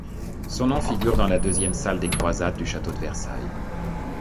Son nom figure dans la deuxième salle des croisades du château de Versailles.